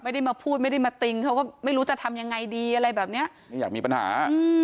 ไม่ได้มาพูดไม่ได้มาติงเขาก็ไม่รู้จะทำยังไงดีอะไรแบบเนี้ยไม่อยากมีปัญหา